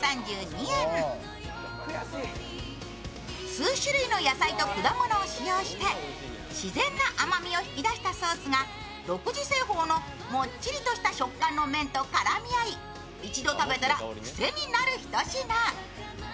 数種類の野菜と果物を使用して自然な甘みを引き出したソースが独自製法のもっちりとした食感の麺と絡み合い一度食べたらクセになるひと品。